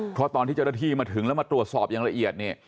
เพราะตอนที่เจ้าหน้าที่มาถึงแล้วมาตรวจสอบอย่างละเอียดเนี่ย